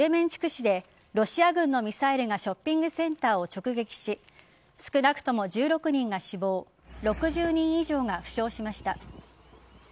市でロシア軍のミサイルがショッピングセンターを直撃し少なくとも１６人が死亡６０人以上が負傷しました。